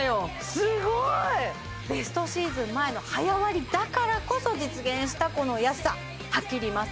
すごい！ベストシーズン前の早割だからこそ実現したこの安さはっきり言います